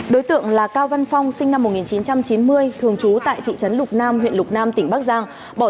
đối tượng là cao văn phong sinh năm một nghìn chín trăm chín mươi thường trú tại thị trấn lục nam huyện lục nam tỉnh bắc giang